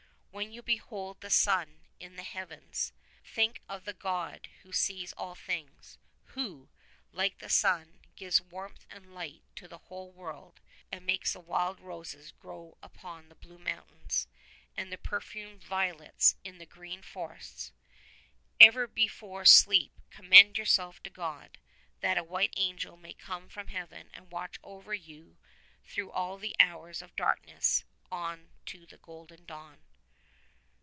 When you behold the sun in the heavens, think of the God who sees all things, who, like the sun, gives warmth and light to the whole world and makes the wild roses grow upon the blue mountains and the perfumed violets in the green forests. Ever before sleep commend yourself to God, that a white angel may come from Heaven and watch over you through all the hours of darkness on to the golden dawn."